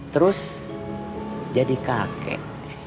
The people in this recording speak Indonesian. terus jadi kakek